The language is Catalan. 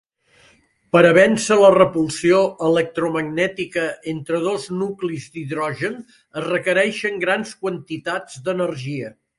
Per a vèncer la repulsió electromagnètica entre dos nuclis d'hidrogen es requereixen grans quantitats d'energia.